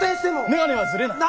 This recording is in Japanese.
眼鏡はずれない。